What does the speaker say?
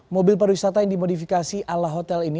mobil pariwisata yang dimodifikasi ala hotel ini